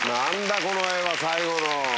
この画は最後の。